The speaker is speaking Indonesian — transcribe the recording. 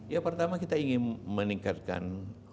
ya pertama kita ingin meningkatkan